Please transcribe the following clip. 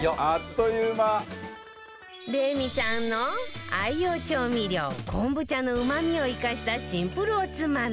レミさんの愛用調味料こんぶ茶のうまみを生かしたシンプルおつまみ